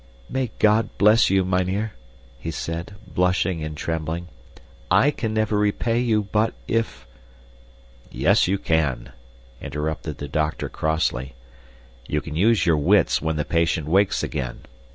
"May God bless you, mynheer!" he said, blushing and trembling. "I can never repay you, but if " "Yes, you can," interrupted the doctor crossly. "You can use your wits when the patient wakes again.